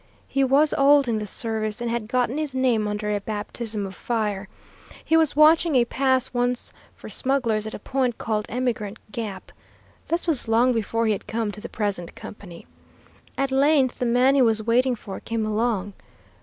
He was old in the service, and had gotten his name under a baptism of fire. He was watching a pass once for smugglers at a point called Emigrant Gap. This was long before he had come to the present company. At length the man he was waiting for came along.